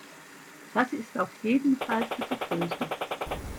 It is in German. Das ist auf jeden Fall zu begrüßen.